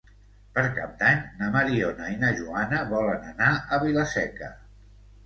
Per Cap d'Any na Mariona i na Joana volen anar a Vila-seca.